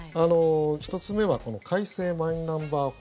１つ目はこの改正マイナンバー法。